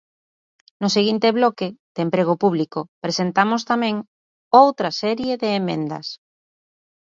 No seguinte bloque, de emprego público, presentamos tamén outra serie de emendas.